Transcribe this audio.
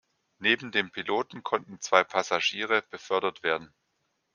Neben dem Piloten konnten zwei Passagiere befördert werden.